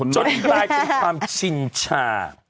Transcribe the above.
จนกลายเป็นความชินชา